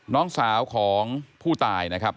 น้องสาวของผู้ตายนะครับ